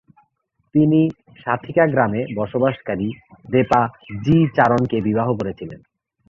তিনি সাথিকা গ্রামে বসবাসকারী দেপা জি চারণকে বিবাহ করেছিলেন।